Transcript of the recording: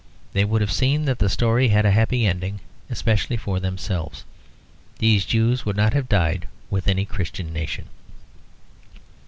They would have seen that the story had a happy ending, especially for themselves. These Jews would not have died with any Christian nation.